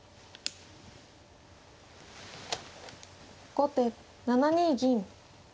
後手７二銀。